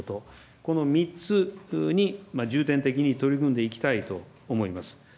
この３つに重点的に取り組んでいきたいと思います。